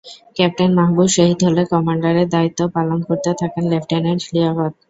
Captain Mahbub শহীদ হলে কমান্ডারের দায়িত্ব পালন করতে থাকেন লেফটেন্যান্ট লিয়াকত।